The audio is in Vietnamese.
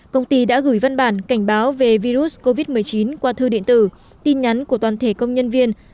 công ty đã gửi văn bản cảnh báo về virus covid một mươi chín qua thư điện tử tin nhắn của toàn thể công nhân viên